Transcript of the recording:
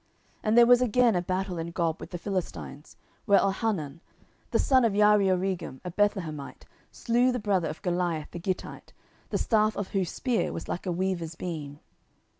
10:021:019 And there was again a battle in Gob with the Philistines, where Elhanan the son of Jaareoregim, a Bethlehemite, slew the brother of Goliath the Gittite, the staff of whose spear was like a weaver's beam.